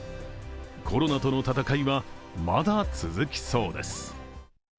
コロナとの戦いはまだ続きそうです。